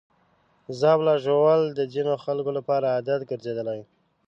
ژاوله ژوول د ځینو خلکو لپاره عادت ګرځېدلی.